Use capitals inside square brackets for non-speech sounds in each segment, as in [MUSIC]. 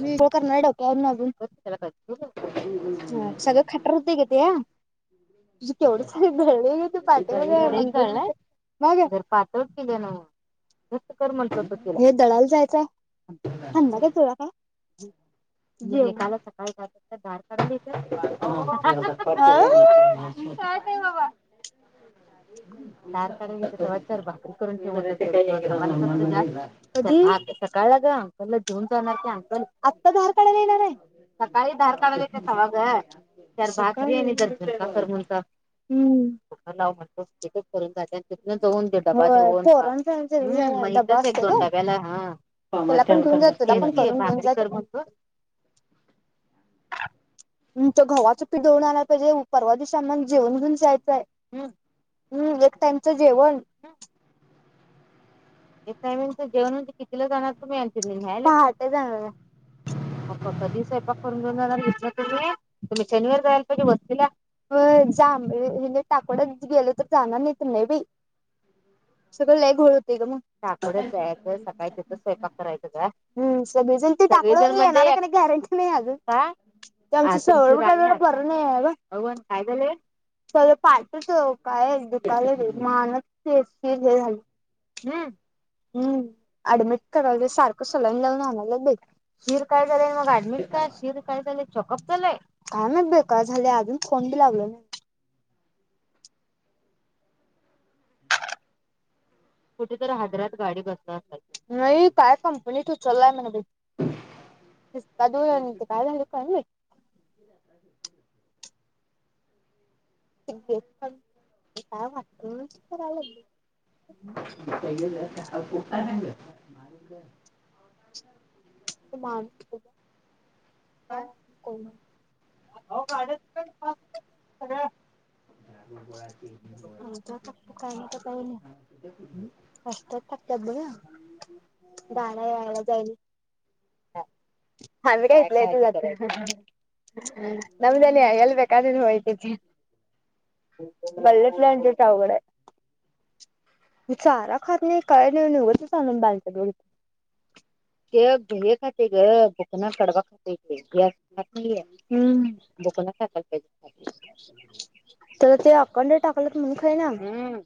मी हो करणार आहे डोक्यावरन आज [UNINTELLIGIBLE] सगळं खटर होतंय ग ते तुझं केवढ सार जळलंय हित पाठीमागं मग [UNINTELLIGIBLE] केल्या नव कर म्हंटलं होत तुला हे दळायला जायचंय हाय थांबणार का [UNINTELLIGIBLE] [INAUDIBLE] [UNINTELLIGIBLE] काल सकाळी वाजता धार काढायला गेलता बघ काय रे बाबा धार काढायला गेलता तवा चार भाकरी करून ठेवून दोन चपाती करतो जास्त सकाळला गं पहिला जेऊन जाणार का? पण आत्ता धार काढायला येणार आहे सकाळी धार काढायला येत्यात तवा ग चार भाकरी आणि जरा झुणका कर म्हणता हम्म कुक्कर लाव म्हण फर्स्ट चेकअप करेल. जात्यात तिथन जाऊन दे डबा [UNINTELLIGIBLE] पोरांच्यांत जेव [UNINTELLIGIBLE] तुला पण घेऊन जा तुला पण करून घेऊन जा [UNINTELLIGIBLE] आमचं घवाचं पीठ दळून आणाय पाहिजे परवा दिवशी अमाना जेवण घेऊन जायचंय आहे. हम्म हम्म एक टाईम च जेवण एक टायमिंग च जेवण म्हणजे कितीला जाणार तुम्ही आणि तेला न्हायला पहाटे जाणार आहे. आता कधी स्वयंपाक करून घेऊन जाणार इथनं तुम्ही शनिवार जायला पाहिजे वस्तीला होय जांभ या टाकोड्यात गेलं तर जाणार नाही नाही बाई सगळं लई घोळ होतंय ग टाकोड्यात जायचं सकाळी तिथंच स्वयंपाक करायचं गं हम्म अजून ती टाकोडेवाली येणार आहे की नाही गॅरंटी नाही अजून काय ते आमच्या [UNINTELLIGIBLE] बरं नाही आहे ग अव्वान काय झालंय? [UNINTELLIGIBLE] पाठीत काय दुखालय बाई मानत ते लई [UNINTELLIGIBLE] हम्म ऍडमिट करा सारखं सलाईन लावून आनायला लागलं बाई शीर काय झालंय मग ऍडमिट का शीर काय झालंय चेकअप झालंय. काय नाही बे का झाले अजून फोन बी लागलो ना कुठेत हैदरात गाडी बस नाही काय कंपनी तू चलाय म कादू काय झा काय [UNINTELLIGIBLE] प काय वाटत [UNINTELLIGIBLE] वडली [UNINTELLIGIBLE] ज ह [UNINTELLIGIBLE] ह [UNINTELLIGIBLE] मानस [UNINTELLIGIBLE] का [UNINTELLIGIBLE] का असत [UNINTELLIGIBLE] ब गाड यायला जायल ह ह ह नम्दन येल् बे होयत थे पलल्यांवघड चारा खात नाही कायऊ निघत लून बाल ते घ खाते ग भकना कडवा खात बुक तर ते अकां टाकल म्हण फ नाम हम्म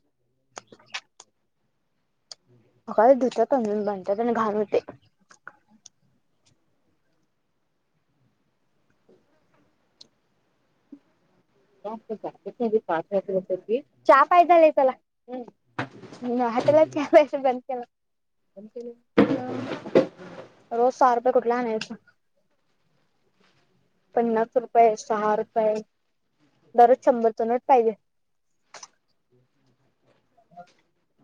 मका दुच्या अंज बनतात आणि घार होते च पाहि झा चला चछ व बनते ना रोज सहा रुपये कुठे आहेयचा पन्नास रुपये सहा रुपये दररोज शंभर चो नट पाहिजे ब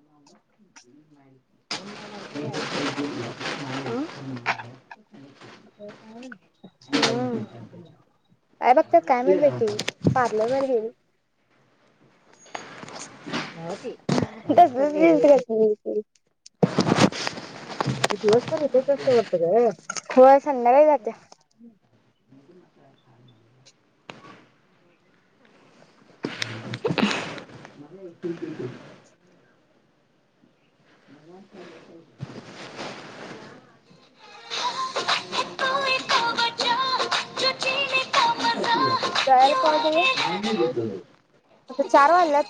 म नाहीई हनर गयच हम् हम्म काय बघत काय मिल भेटी पार्लरवर गेल सस दिवस पण येत असते पटत ग हो संध्याकाय ज नहीं नहीं [INAUDIBLE] जल का्हा जाऊया नहीं लिख दो चार वाजल्यात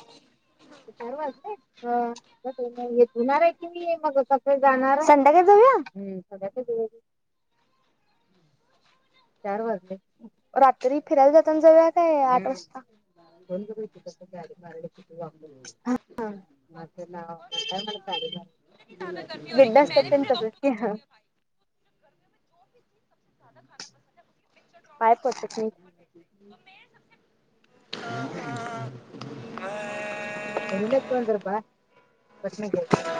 चार वाजलेेतणार आहे की मी मग स जाणार संध्याकाळी जाऊया संध्याकाऊ चार वाजले रात्री फिरायला जातना जऊ काय आठ वाजता हा म ना का ज्यादा गर्मी हो रही है गिडड कि मैंने भी अपने असतातंत दोस्तों असत को बोल ह दिया भाई तो गर्मी में जो भी चीज सबसे ज्यादा खाना पसंद है उसकी पिक्चर ड्रॉ पाय करके उसको पसेट नाही व्हाट्सएप पर भेजते [UNINTELLIGIBLE] हैं। तो मेरे सबसे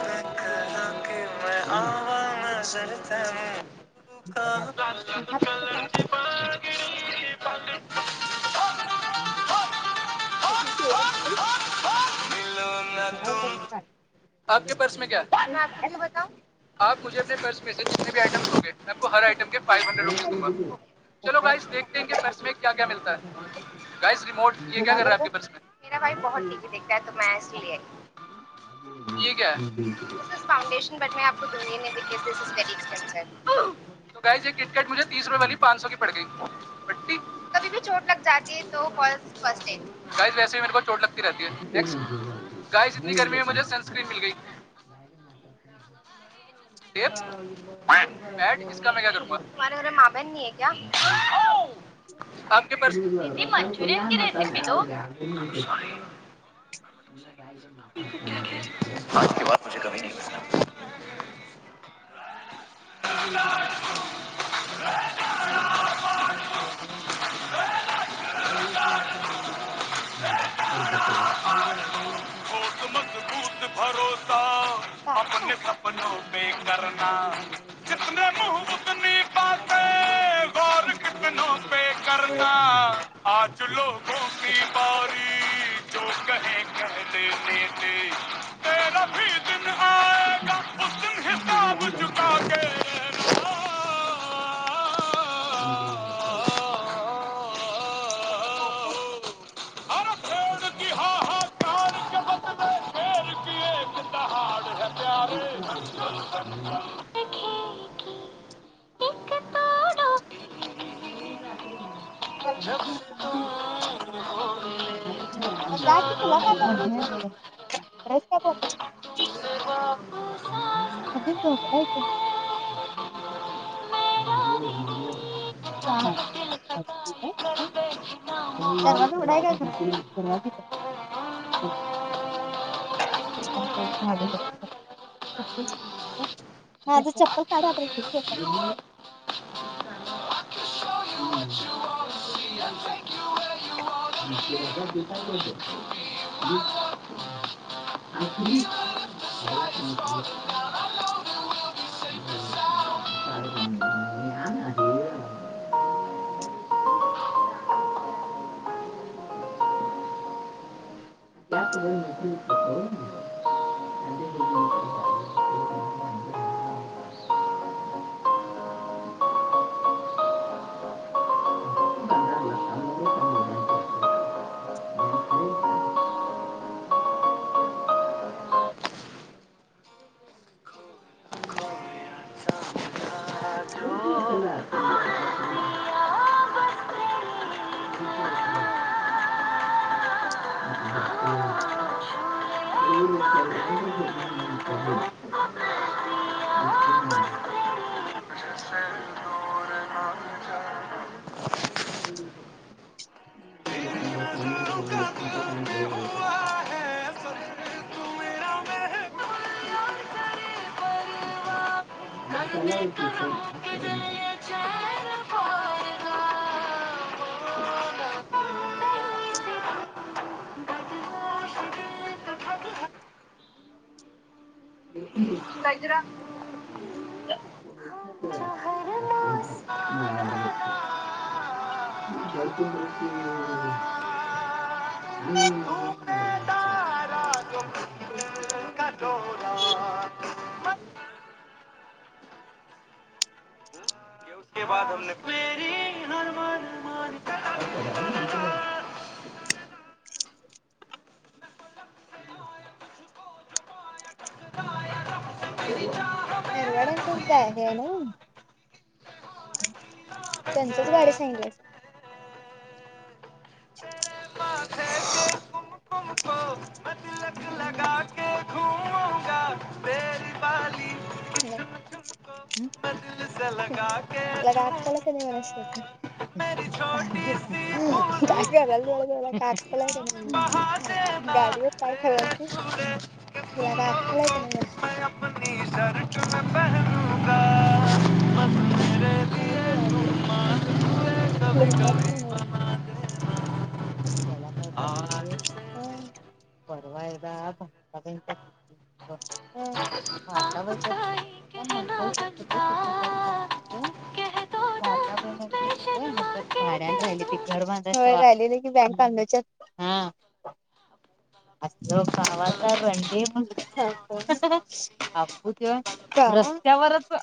मैं कहा कि मैं आवा नजर तुम का [UNINTELLIGIBLE] आप के पर्स मे क्या काय है [UNINTELLIGIBLE] आप मुझे र्स जित आटे हर आटम फाइ हंडेड रुप भाजी द चो केलाय. गास पर्सता गास रिमोट कोणाबरोबर पर्स [UNINTELLIGIBLE] दिकात तुमसलि [UNINTELLIGIBLE] ह [UNINTELLIGIBLE] िट तीस रप स पड चट चोट लाग रातीट गास गर्मी [UNINTELLIGIBLE] स्क्रीन मिल गयी तुमे घरे म बन आहे क [UNINTELLIGIBLE] आपके पास [UNINTELLIGIBLE] [UNINTELLIGIBLE] [UNINTELLIGIBLE] मुझे कभी नाही पसंद [UNINTELLIGIBLE] झोपल्या का [UNINTELLIGIBLE] अपने सपनो करणा जितने मूह उतनी बाते वार कितनो पें करना आज लोगो की बारी जो कहे कहणे देते तेरा भी दीन आएगा त घताब झुका ग [UNINTELLIGIBLE] हर पेड़ की हाहाकार के बदले शेर की एक [UNINTELLIGIBLE] [UNINTELLIGIBLE] एक तोड़ो जब तो जा कि जानो तुला काय दिल करायचं रस्ता बोगस तुमसे वापस आए [UNINTELLIGIBLE] दरवाजा उडाय [UNINTELLIGIBLE] [UNINTELLIGIBLE] [UNINTELLIGIBLE] [UNINTELLIGIBLE] [UNINTELLIGIBLE] [UNINTELLIGIBLE] हरमन [INAUDIBLE] [UNINTELLIGIBLE] आज हरवाड्यांचाध आहे आहे ना त्यांचच गाडी सांगली [UNINTELLIGIBLE] तुला काही अक्कल का नाही म्हणा काय कराल त तुला का अक्कल का नाही म्ह गाडीवर काय कराल त तुला का अक्कल का नाही म्हणा खरच बाई अवघड आहे लोकात पण त्याला काय करते से परवा एकदा भाबा आपका ही भाताबाईच्या कहना मंगल बनता ज कह दो ना भाता बण मैं ऐकत होत शर्मा ह्याच्यात के भाड्यान कह राहिले त दूंगी घर बांधाय राहिले की वांच्यात हा असलं गवाचा रं म्ह आपू रस्त्यावरच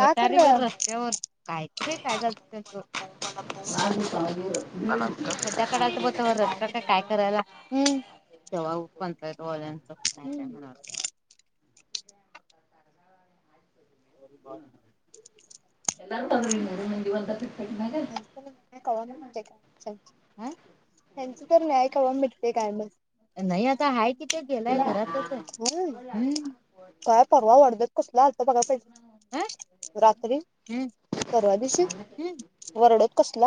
रस्त्यावर काय क बे कायदा आम्ही [UNINTELLIGIBLE] [UNINTELLIGIBLE] तो रस्ता का काय करायला ह जव्हा पंचायतवाल्यांच [UNINTELLIGIBLE] [UNINTELLIGIBLE] अस कणते काय हम त्यांच तर न्याय खवा भेटते काय म नाही आता आहे किथ गेलाय घरातच आहे काय परवा वडदत कुसला हलत बघाहिजे रात्री परवा दिवशी कस